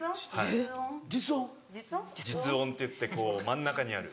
実音っていって真ん中にある。